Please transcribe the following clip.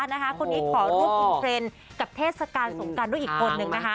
คนอีกขอร่วมควัลเจนกับเทศกาลสงการด้วยอีกคน